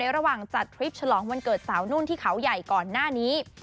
ระหว่างจัดทริปฉลองวันเกิดสาวนุ่นที่เขาใหญ่ก่อนหน้านี้